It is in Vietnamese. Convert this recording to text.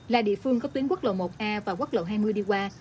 là địa phương có tuyến quốc lộ một a và quốc lộ hai mươi đi qua